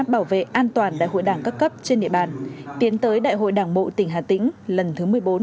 bảo vệ an toàn đại hội đảng các cấp trên địa bàn tiến tới đại hội đảng bộ tỉnh hà tĩnh lần thứ một mươi bốn